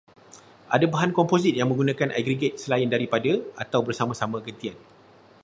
Ada bahan komposit yang menggunakan aggregrat selain daripada, atau bersama-sama gentian